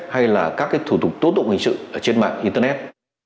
hay là các thủ tục tố tụng hình sự trên mạng internet